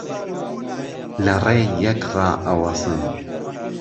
لە ڕێی یەک ڕائەوەسن